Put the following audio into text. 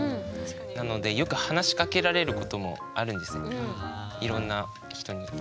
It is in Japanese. なのでよく話しかけられることもあるんですねいろんな人に。